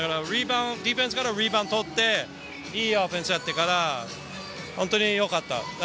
ディフェンスからリバウンド取って、いいオフェンスがあったから、本当によかった。